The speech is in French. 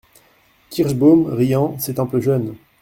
Kirschbaum, riant. — C’est un peu jeune.